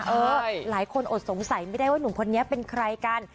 หลายคนอดสงสัยไม่ได้ว่าหนุ่มคนนี้เป็นใครกัน